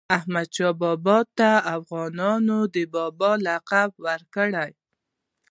احمدشاه بابا ته افغانانو د "بابا" لقب ورکړی.